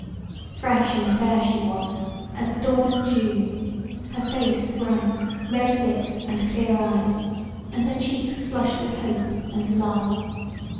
Fresh and fair she was as the dawn of June; her face bright, red lipped, and clear eyed, and her cheeks flushed with hope and love.